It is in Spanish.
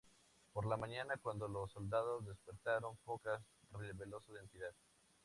Por la mañana, cuando los soldados despertaron, Focas reveló su identidad.